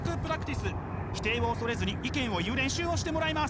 否定を恐れずに意見を言う練習をしてもらいます。